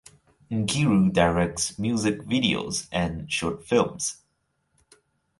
Nkiru directs music videos and short films.